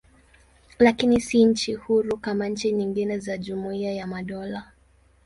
Lakini si nchi huru kama nchi nyingine za Jumuiya ya Madola.